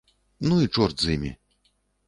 Ну і чорт з імі!